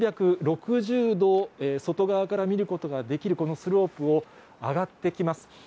３６０度外側から見ることができる、このスロープを上がってきます。